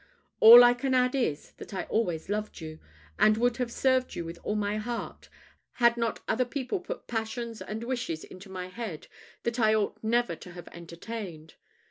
All I can add is, that I always loved you, and would have served you with all my heart, had not other people put passions and wishes into my head that I ought never to have entertained.